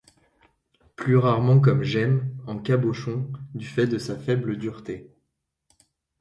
Plus rarement comme gemme, en cabochon, du fait de sa faible dureté.